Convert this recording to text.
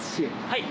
はい。